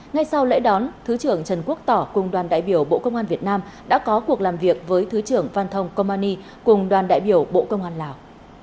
ngay sau lễ đón thứ trưởng trần quốc tỏ cùng đoàn đại biểu bộ công an việt nam đã có cuộc làm việc với thứ trưởng van thong komani cùng đoàn đại biểu bộ công an lào